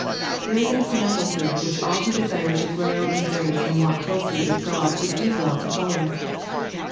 There is an example here which all who desire to grow in grace and walk closely with God would do well to follow.